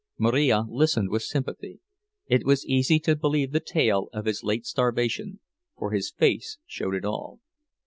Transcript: Marija listened with sympathy; it was easy to believe the tale of his late starvation, for his face showed it all.